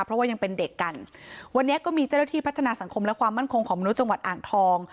เพราะว่ายังเป็นเด็กกันวันนี้ก็มีเจ้าหน้าที่พัฒนาสังคมและความมั่นคงของมนุษย์จังหวัดอ่างทอง